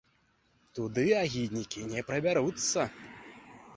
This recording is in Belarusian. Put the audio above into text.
Туды агіднікі не прабяруцца.